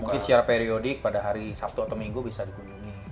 mungkin secara periodik pada hari sabtu atau minggu bisa dikunjungi